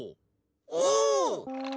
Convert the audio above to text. お！